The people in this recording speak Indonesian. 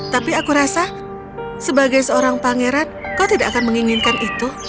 tapi aku rasa sebagai seorang pangeran kau tidak akan menginginkan itu